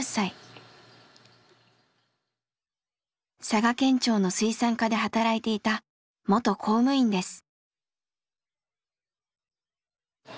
佐賀県庁の水産課で働いていた元公務員です。